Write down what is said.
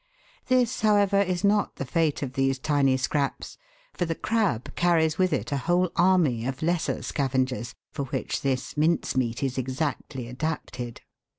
This, however, is not the fate of these tiny scraps, for the crab carries with it a whole army of lesser scavengers, for which this mince meat is exactly adapted.